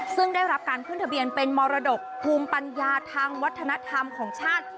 ซึ่งได้รับการขึ้นทะเบียนเป็นมรดกภูมิปัญญาทางวัฒนธรรมของชาติ